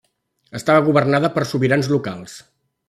Estava governada per sobirans locals.